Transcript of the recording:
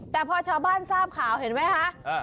แต่พอชาวบ้านทราบข่าวเห็นไหมคะ